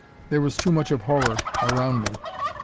There was too much of horror around me.